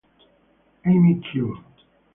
Amy Cure